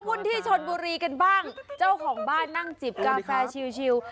ขึ้นที่ชนบุรีกันบ้างเจ้าของบ้านนั่งจิบกาแฟชิว